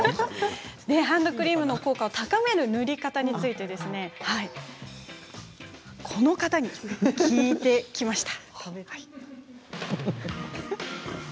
ハンドクリームの効果を高める塗り方についてこの方に聞いてきました。